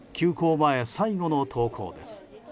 前最後の登校です。